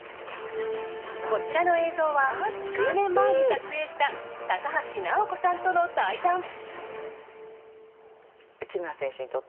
こちらの映像は１０年前に撮影した高橋尚子さんとの対談。